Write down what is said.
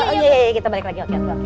oke kita balik lagi